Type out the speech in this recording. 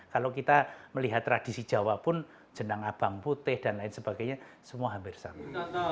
kalau kita melihat tradisi jawa pun jenang abang putih dan lain sebagainya semua hampir sama